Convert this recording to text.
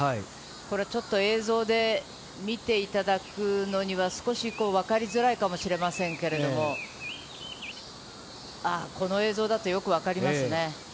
ちょっと映像で見ていただくのには少し分かりづらいかもしれませんけど、これだと、よく分かりますね。